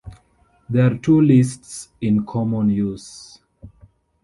There are two lists in common use.